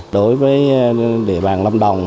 đối với địa bàn lâm đồng